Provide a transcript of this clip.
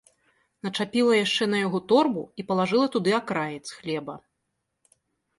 Начапіла яшчэ на яго торбу і палажыла туды акраец хлеба.